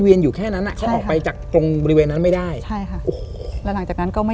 อ๋อหยุดใช่ไหม